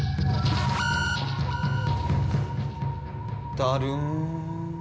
だるん。